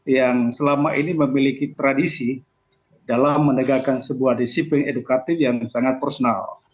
yang selama ini memiliki tradisi dalam menegakkan sebuah disiplin edukatif yang sangat personal